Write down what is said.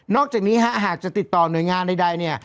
นอกจากนี้หากจะติดต่อหน่วยงานใด